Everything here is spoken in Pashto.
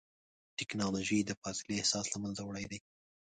ټکنالوجي د فاصلې احساس له منځه وړی دی.